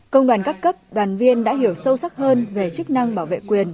công đoàn các cấp đoàn viên đã hiểu sâu sắc hơn về chức năng bảo vệ quyền